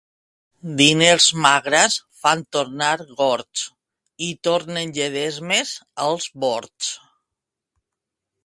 Diners, magres fan tornar gords i tornen lledesmes els bords.